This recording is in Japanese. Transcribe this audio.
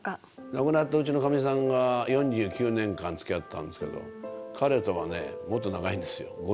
亡くなったうちのかみさんが４９年間つきあってたんですけど、彼とはね、もっと長いんですよ。